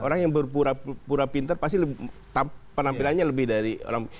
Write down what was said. orang yang berpura pura pintar pasti penampilannya lebih dari orang